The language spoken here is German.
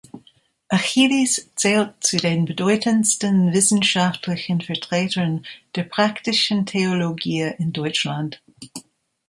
Achelis zählt zu den bedeutendsten wissenschaftlichen Vertretern der praktischen Theologie in Deutschland.